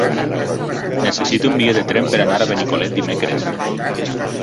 Necessito un bitllet de tren per anar a Benicolet dimecres.